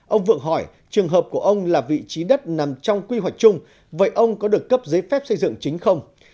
ông vượng hỏi trường hợp của ông là vị trí đất nằm trong quy hoạch chung vậy ông có được cấp giấy phép xây dựng chính không